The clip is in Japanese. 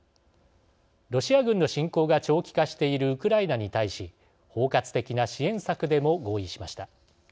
ロシア軍の侵攻が長期化しているウクライナに対し包括的な支援策でも合意しました。